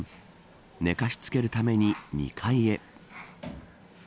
寝かしつけるために２階へ。